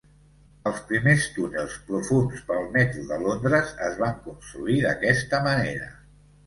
Els primers túnels profunds pel Metro de Londres es van construir d'aquesta manera.